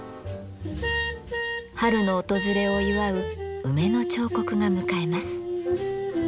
春の訪れを祝う梅の彫刻が迎えます。